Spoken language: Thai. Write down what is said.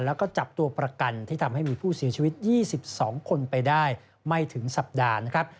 แล้วก็จับตัวประกันที่ทำให้มีผู้เสียชีวิต๒๒คนไปได้ไม่ถึงสัปดาห์นะครับ